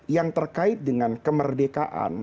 yang terkait dengan kemerdekaan